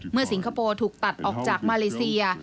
สิงคโปร์ถูกตัดออกจากมาเลเซีย